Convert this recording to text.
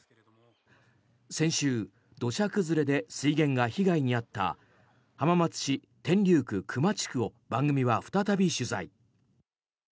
先週、土砂崩れで水源が被害に遭った浜松市天竜区熊地区を番組は再び取材。